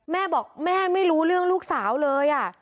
แม่บอกแม่ไม่รู้เรื่องลูกสาวเลย